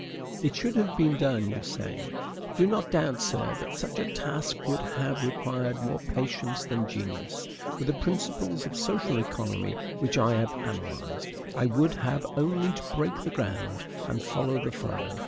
"It should have been done," you say. Do not doubt, sir, that such a task would have required more patience than genius. With the principles of social economy which I have analyzed, I would have had only to break the ground, and follow the furrow.